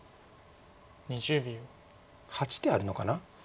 ８手あるのかな。